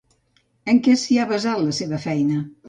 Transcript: En què s'hi ha basat la seva feina?